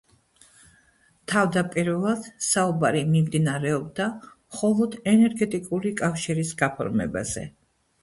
თავდაპირველად საუბარი მიმდინარეობდა მხოლოდ ენერგეტიკული კავშირის გაფორმებაზე.